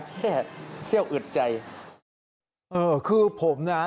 แล้วก็เรียกเพื่อนมาอีก๓ลำ